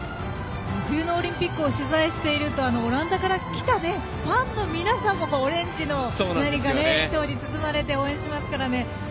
冬のオリンピックを取材しているとオランダから来たファンの皆さんもオレンジの何か衣装に包まれて応援してますからね。